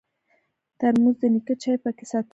ترموز د نیکه چای پکې ساتل شوی وي.